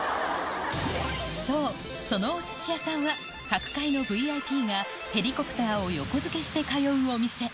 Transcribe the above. そう、そのおすし屋さんは、各界のＶＩＰがヘリコプターを横付けして通うお店。